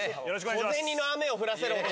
小銭の雨を降らせる男。